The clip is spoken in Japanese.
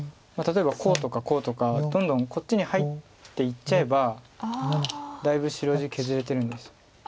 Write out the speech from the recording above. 例えばこうとかこうとかどんどんこっちに入っていっちゃえばだいぶ白地削れてるんです。